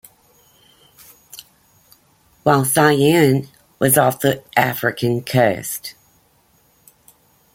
While "Cyane" was off the African coast.